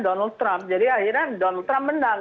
donald trump jadi akhirnya donald trump menang